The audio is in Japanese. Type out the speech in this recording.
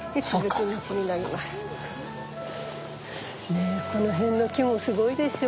ねえこの辺の木もすごいでしょ。